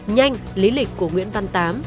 nhanh lý lịch của nguyễn văn tám